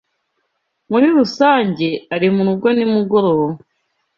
Muri rusange ari murugo nimugoroba.